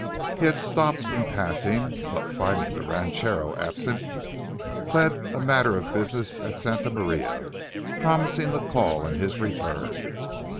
He had stopped in passing; but, finding the ranchero absent, plead a matter of business at Santa Maria, promising to call on his return.